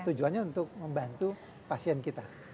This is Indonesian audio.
tujuannya untuk membantu pasien kita